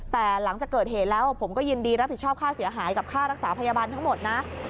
แต่หลังจากเกิดเหตุแล้วผมก็ยินดีรับผิดชอบค่าเสียหายกับค่ารักษาพยาบาลทั้งหมดนะ